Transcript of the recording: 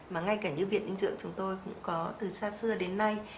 mà ngay cả như viện dinh dưỡng chúng tôi cũng có từ xa xưa đến nay